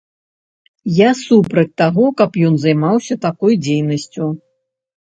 Я супраць таго, каб ён займаўся такой дзейнасцю.